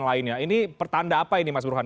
lainnya ini pertanda apa ini mas burhan